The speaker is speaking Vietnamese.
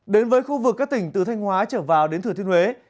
đến với khu vực các tỉnh từ thanh hóa trở vào đến thừa thiên huế